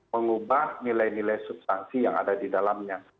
mengubah nilai nilai substansi yang ada di dalamnya